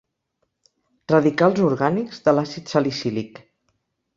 Radicals orgànics de l'àcid salicílic.